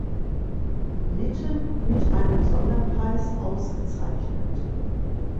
Nitten mit einem Sonderpreis ausgezeichnet.